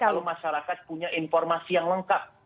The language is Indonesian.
kalau masyarakat punya informasi yang lengkap